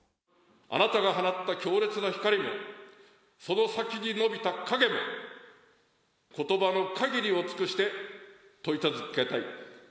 あなたが放った強烈な光も、その先に伸びた影も、ことばの限りを尽くして、問い続けたい。